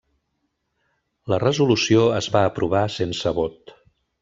La resolució es va aprovar sense vot.